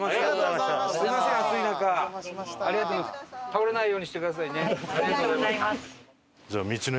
倒れないようにしてくださいね。